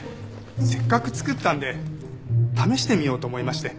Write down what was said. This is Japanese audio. せっかく作ったので試してみようと思いまして。